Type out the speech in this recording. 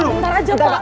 bentar aja pak